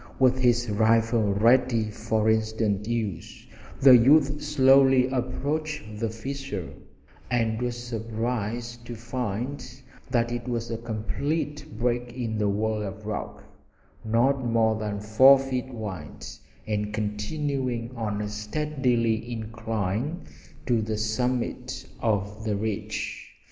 With his rifle ready for instant use the youth slowly approached the fissure, and was surprised to find that it was a complete break in the wall of rock, not more than four feet wide, and continuing on a steady incline to the summit of the ridge.